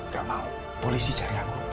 gak mau polisi cari aku